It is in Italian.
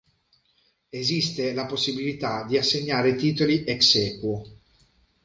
Esiste la possibilità di assegnare titoli "ex aequo".